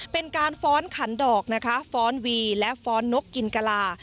เป็นการฟ้อนขันดอกนะคะฟ้อนวีและฟ้อนนกกินกะลา